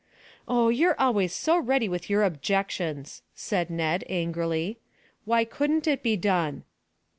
"Oh, you're always so ready with your objections," said Ned angrily. "Why couldn't it be done?"